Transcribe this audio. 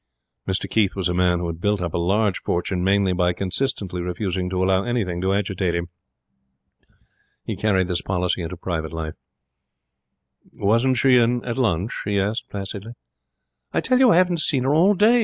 Mr Keith was a man who had built up a large fortune mainly by consistently refusing to allow anything to agitate him. He carried this policy into private life. 'Wasn't she in at lunch?' he asked, placidly. 'I tell you I haven't seen her all day.